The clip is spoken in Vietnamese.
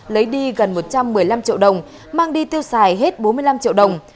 lấy đi gần một trăm một mươi năm triệu đồng mang đi tiêu xài hết bốn mươi năm triệu đồng